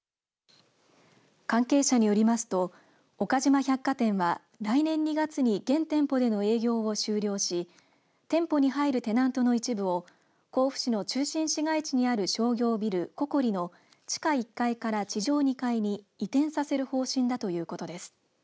関係者によりますと岡島百貨店は来年２月に現店舗での営業を終了し店舗に入るテナントの一部を甲府市の中心市街地にある商業ビル、ココリの地下１階から地上２階に移転させる方針だということです。